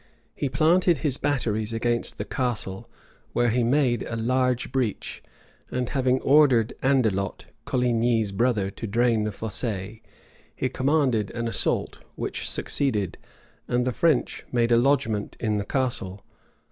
He planted his batteries against the castle, where he made a large breach; and having ordered Andelot, Coligny's brother, to drain the fossée, he commanded an assault, which succeeded; and the French made a lodgement in the castle.